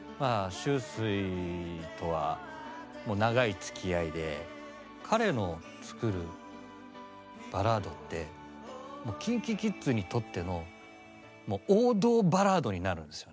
Ｓｈｕｓｕｉとはもう長いつきあいで彼の作るバラードってもうＫｉｎＫｉＫｉｄｓにとってのもう王道バラードになるんですよね。